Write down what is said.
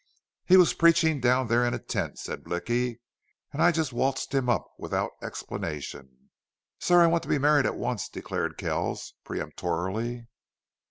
"He was preachin' down there in a tent," said Blicky, "an I jest waltzed him up without explainin'." "Sir, I want to be married at once," declared Kells, peremptorily.